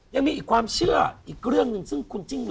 ยังมีอีกความเชื่ออีกเรื่องหนึ่ง